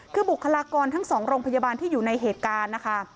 คือบุคลากรทั้ง๒โรงพยาบาลที่อยู่ในเหตุการณ์นะคะ